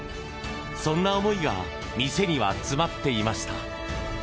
そんな思いが店には詰まっていました。